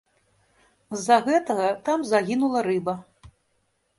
З-за гэтага там загінула рыба.